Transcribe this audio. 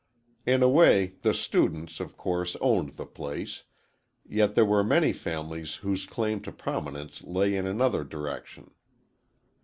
In a way, the students, of course, owned the place, yet there were many families whose claim to prominence lay in another direction.